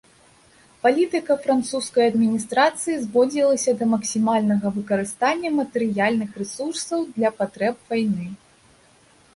Палітыка французскай адміністрацыі зводзілася да максімальнага выкарыстання матэрыяльных рэсурсаў для патрэб вайны.